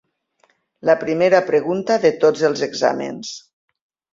La primera pregunta de tots els exàmens.